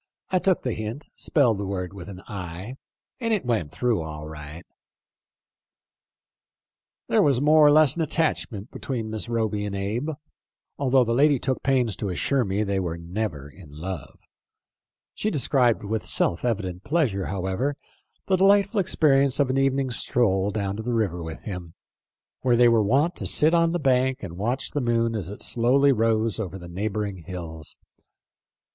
I took the hint, spelled the word with an ' i,' and it went through all right." *Kate Gentry. t Miss Roby afterward married Allen Gentry. THE LIFE OF LINCOLN. 39 There was more or less of an attachment between Miss Roby and Abe, although the lady took pains to assure me that they were never in love. She described with self evident pleasure, however, the delightful experience of an evening's stroll down to the river with him, where they were wont to sit on the bank and watch the moon as it slowly rose over the neighboring hills.